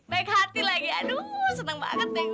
baik hati lagi aduu senang banget deh